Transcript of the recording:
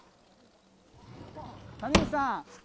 谷口さん。